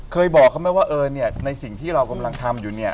เคยบอกเขาไหมว่าในสิ่งที่เรากำลังทำอยู่